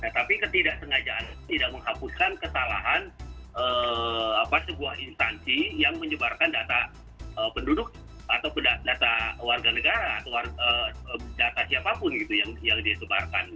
tapi ketidaksengajaan tidak menghapuskan kesalahan sebuah instansi yang menyebarkan data penduduk atau data warga negara atau data siapapun gitu yang disebarkan